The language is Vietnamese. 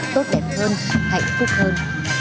tốt đẹp hơn hạnh phúc hơn